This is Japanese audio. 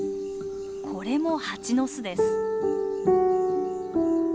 これもハチの巣です。